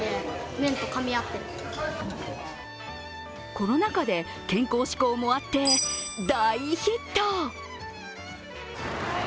コロナ禍で健康志向もあって大ヒット。